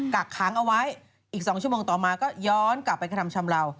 กักขังเอาไว้อีก๒ชั่วโมงต่อมาก็ย้อนกลับไปกระทำชำเลา